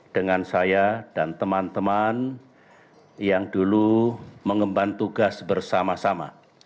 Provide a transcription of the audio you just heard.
dengan saya dan teman teman yang dulu mengemban tugas bersama sama